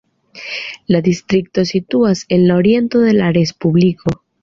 La distrikto situas en la oriento de la respubliko.